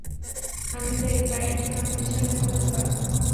আমি তো এক পায়ের পিছনে লুকাতে পারব।